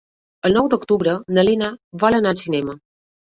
El nou d'octubre na Lena vol anar al cinema.